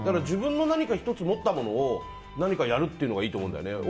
自分の何か１つ持ったものを何かやるというのがいいと思うんだよね。